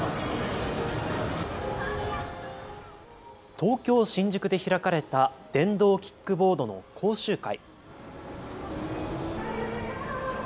東京新宿で開かれた電動キックボードの講習会。